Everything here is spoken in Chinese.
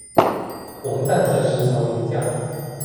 王掞在石槽迎驾。